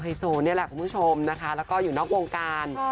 เป็นนุ่มไฮโซนี่แหละคุณผู้ชมนะคะแล้วก็อยู่นอกวงการ